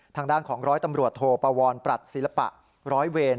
ทางด้านของร้อยตำรวจโทปวรปรัชศิลปะร้อยเวร